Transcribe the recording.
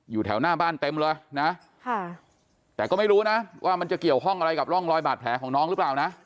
อยู่แถวหน้าบ้านเต็มเลยนะแต่ก็ไม่รู้นะว่ามันจะเกี่ยวข้องอะไรกับร่องรอยบาดแผลของน้องหรือเปล่านะ